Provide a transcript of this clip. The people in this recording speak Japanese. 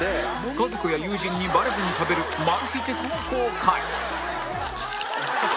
家族や友人にバレずに食べるマル秘テクを公開